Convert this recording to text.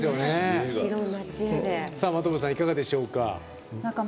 真飛さん、いかがでしょうか。